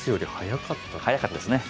早かったですね。